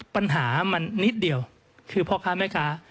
ปัญหามันนิดเดียวคือพ่อค้าแม่ค้า